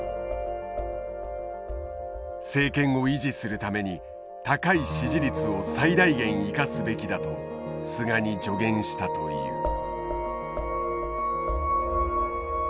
政権を維持するために高い支持率を最大限生かすべきだと菅に助言したという。